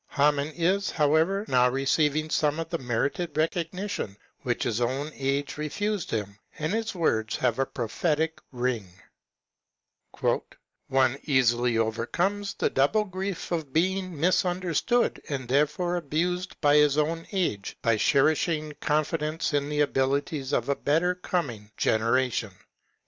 Hamann is, however, now receiving some of the merited recognition which his own age refused him, and his words have a prophetic ring: ^*One easily overcomes the double grief of being misunderstood and therefore abased by his own age, by cherishing confidence in the abilities of a better coming generation."